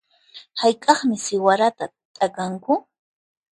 Hayk'aqmi siwarata t'akanku?